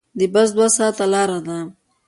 د بس دوه ساعته لاره ده.